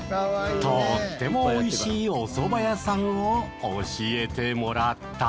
とってもおいしいおそば屋さんを教えてもらった。